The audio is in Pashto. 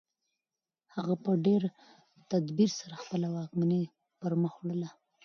هغه په ډېر تدبیر سره خپله واکمني پرمخ وړله.